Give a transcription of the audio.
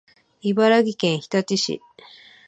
茨城県日立市